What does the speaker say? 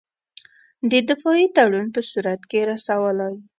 د دفاعي تړون په صورت کې رسولای.